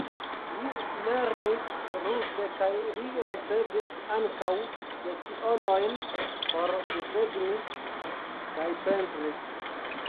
Li lernis ruse kaj li ricevis ankaŭ lecionojn por desegni kaj pentri.